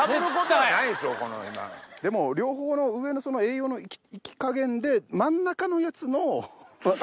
でも両方の上の栄養の行き加減で真ん中のやつの。